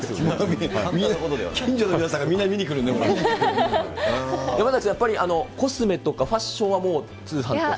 近所の皆さんがみんな見に来るね、山崎さん、やっぱりコスメとかファッションはもう通販とか。